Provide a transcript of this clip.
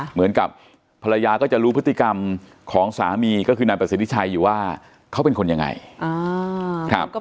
เหมือนกับภรรยาก็จะรู้พฤติกรรมของสามีก็คือนายประสิทธิชัยอยู่ว่าเขาเป็นคนยังไง